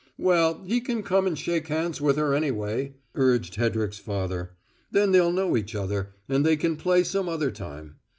"Well, he can come and shake hands with her anyway," urged Hedrick's father. "Then they'll know each other, and they can play some other time."